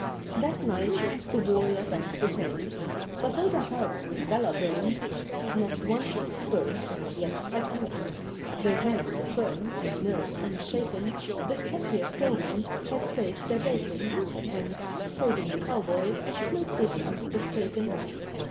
That night the warrior band returned, But though their hearts with valour burned, Not one his spurs as yet had earned. Though hands were firm and nerves unshaken, The Kafir foemen had saved their bacon, And (saving the cowboy) no prisoner was taken.